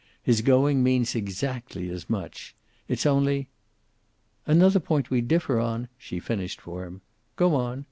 His going means exactly as much. It's only " "Another point we differ on," she finished for him. "Go on.